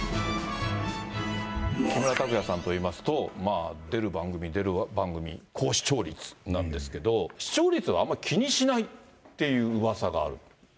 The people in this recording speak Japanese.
木村拓哉さんといいますと、まあ、出る番組、出る番組、高視聴率なんですけど、視聴率はあんまり気にしないっていううわさがある。